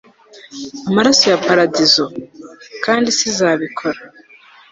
amaraso ya paradizo? kandi isi izabikora